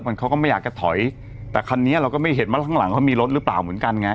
มันเขาก็ไม่อยากจะถอยแต่คันนี้เราก็ไม่เห็นว่าข้างหลังเขามีรถหรือเปล่าเหมือนกันไง